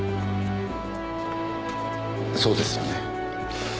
そうですよね。